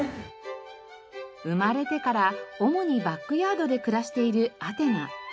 生まれてから主にバックヤードで暮らしているアテナ。